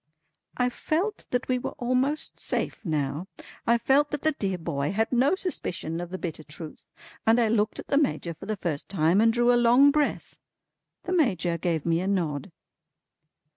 I felt that we were almost safe now, I felt that the dear boy had no suspicion of the bitter truth, and I looked at the Major for the first time and drew a long breath. The Major gave me a nod.